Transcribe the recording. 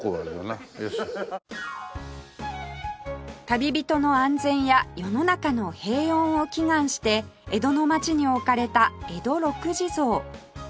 旅人の安全や世の中の平穏を祈願して江戸の町に置かれた江戸六地蔵